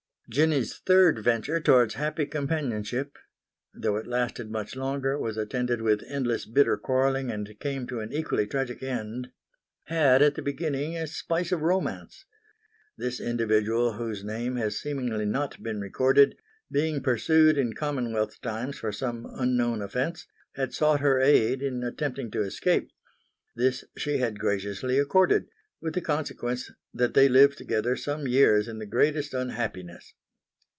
Jinny's third venture towards happy companionship, though it lasted much longer, was attended with endless bitter quarrelling, and came to an equally tragic end, had at the beginning a spice of romance. This individual, whose name has seemingly not been recorded, being pursued in Commonwealth times for some unknown offence, had sought her aid in attempting to escape. This she had graciously accorded, with the consequence that they lived together some years in the greatest unhappiness.